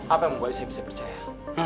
apa yang membuat saya bisa percaya